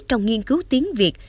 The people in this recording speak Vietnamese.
trong nghiên cứu tiếng việt